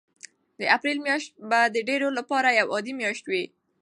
د اپریل میاشت به د ډېرو لپاره یوه عادي میاشت وي.